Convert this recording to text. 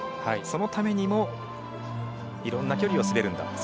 そのためにもいろんな距離を滑るんだ。